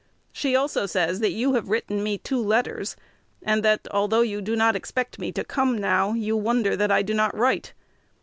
She also says that you have written me two letters, and that, although you do not expect me to come now, you wonder that I do not write.